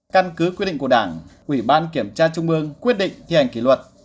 căn cứ quyết định của đảng ủy ban kiểm tra trung ương quyết định thi hành kỳ luật